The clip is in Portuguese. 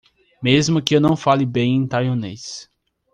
Mesmo que eu não fale bem em taiwanês